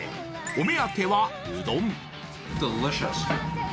お目当ては、うどん。